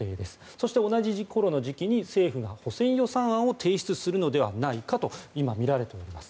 そして、同じ時期に政府が補正予算案を提出するのではないかとみられています。